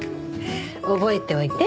覚えておいて。